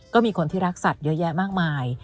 ก็มีคนที่รักสัตว์เยอะแยะมากมาย